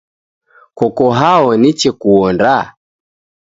Koko hao niche kuonda?